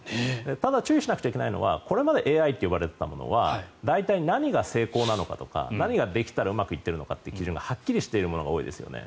ただ注意しなくちゃいけないのはこれまでＡＩと呼ばれていたのものは大体、何が成功なのかとか何ができたらうまくいってるのかという基準がはっきりしているものが多いですよね。